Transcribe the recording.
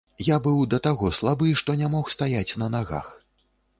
Я быў да таго слабы, што не мог стаяць на нагах.